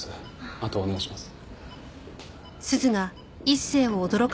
あとはお願いします。